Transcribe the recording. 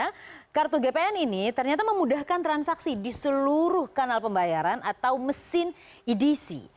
karena kartu gpn ini ternyata memudahkan transaksi di seluruh kanal pembayaran atau mesin edisi